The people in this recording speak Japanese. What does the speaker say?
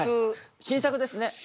新作ですね。